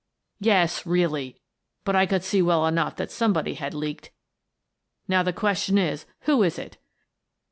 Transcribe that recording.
" Yes, ' really.' But I could see well enough that somebody had leaked. Now, the question is: who is it?"